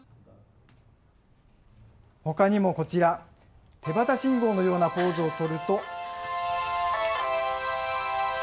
ほかにもこちら、手旗信号のようなポーズを取ると。